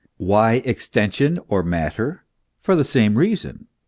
Why Extension or Matter? For the same reason.